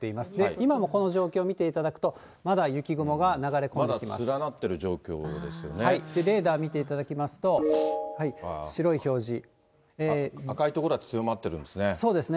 今もこの状況見ていただくと、ままだ連なっている状況ですよレーダー見ていただきますと、赤い所は強まっているんですそうですね。